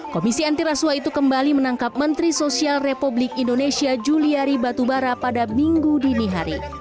komisi antiraswa itu kembali menangkap menteri sosial republik indonesia juliari batubara pada minggu dini hari